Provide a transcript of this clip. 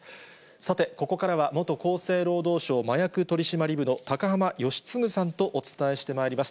さて、ここからは元厚生労働省麻薬取締部の高濱良次さんとお伝えしてまいります。